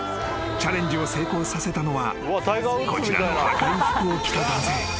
［チャレンジを成功させたのはこちらの赤い服を着た男性。